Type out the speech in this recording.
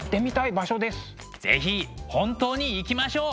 是非本当に行きましょう！